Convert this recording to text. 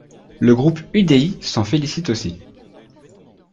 Le groupe UDI s’en félicite aussi.